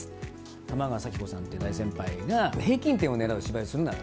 玉川砂記子さんっていう大先輩が、平均点をねらう芝居をするなと。